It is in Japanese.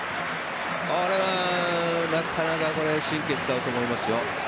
なかなかこれ神経使うと思いますよ。